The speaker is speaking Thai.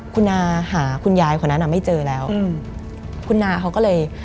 คุณนาหาคุณยายคนนั้นอ่ะไม่เจอแล้วคุณนาเขาก็เลย